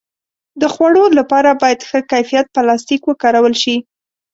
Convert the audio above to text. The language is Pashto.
د خوړو لپاره باید ښه کیفیت پلاستيک وکارول شي.